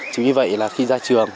chỉ như vậy là khi ra trường